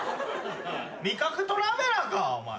味覚トラベラーかお前！